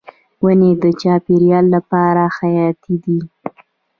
ونې د چاپیریال لپاره حیاتي دي.